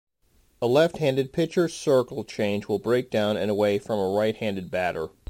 A left-handed pitcher's circle change will break down and away from a right-handed batter.